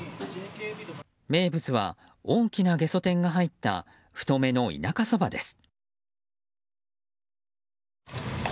名物は大きな、げそ天が入った太めの田舎そばです。